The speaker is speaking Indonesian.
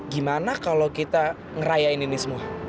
gimana kalau kita ngerayain ini semua